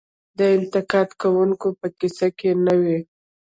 د انتقاد کوونکو په قصه کې نه وي .